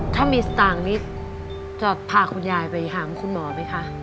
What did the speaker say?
ถ้ามีสตางค์นี้จะพาคุณยายไปหาคุณหมอไหมคะ